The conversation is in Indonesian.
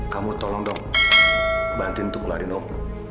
kamu tolong dong bantuin untuk keluarin aku